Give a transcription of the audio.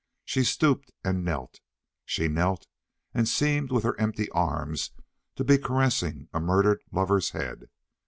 She stooped and knelt. She knelt and seemed with her empty arms to be caressing a murdered lover's head.